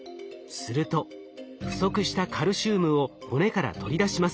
すると不足したカルシウムを骨から取り出します。